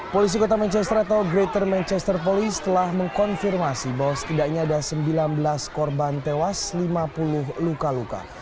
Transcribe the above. polisi kota manchester atau greator manchester police telah mengkonfirmasi bahwa setidaknya ada sembilan belas korban tewas lima puluh luka luka